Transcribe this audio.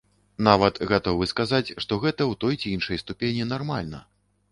Нават гатовы сказаць, што гэта ў той ці іншай ступені нармальна.